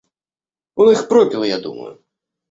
Он их пропил, я думаю.